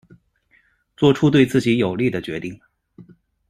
做出对自己有利的决定